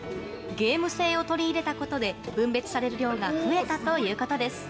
ゲーム性を取り入れたことで分別される量が増えたということです。